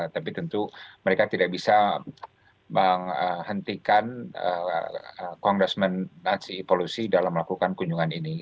tapi tentu mereka tidak bisa menghentikan kongres nancy pelosi dalam melakukan kunjungan ini